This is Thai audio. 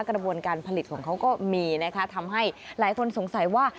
กระบวนการผลิตของเขาก็มีนะคะทำให้หลายคนสงสัยว่า